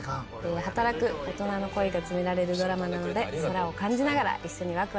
働く大人の恋が詰められるドラマなので空を感じながら一緒にワクワクしてください。